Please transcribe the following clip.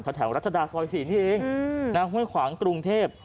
ถ้าแถวรัชดาซอย๔ที่เองงานคว้นขวางกรุงเทพฯ